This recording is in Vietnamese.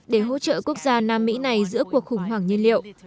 để hỗ trợ quốc gia nam mỹ này giữa cuộc khủng hoảng nhiên liệu